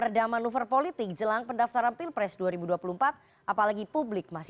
relawan projo datang ke political show